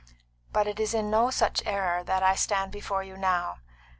But it is in no such error that I stand before you now.